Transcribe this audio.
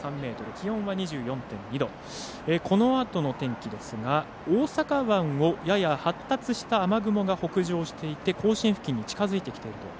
気温は２４，２度このあとの天気ですが大阪湾をやや発達した雨雲が北上して甲子園付近に近づいてきている。